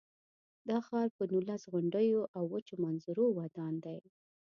دا ښار پر نولس غونډیو او وچو منظرو ودان دی.